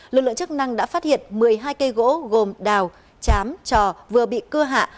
lực lượng chức năng đã phát hiện một mươi hai cây gỗ gồm đào chám trò vừa bị cưa hạ